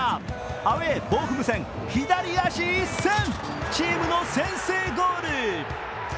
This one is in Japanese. アウェー・ボーフム戦、左足一閃、チームの先制ゴール。